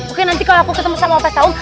oke nanti kalau aku ketemu sama opa saum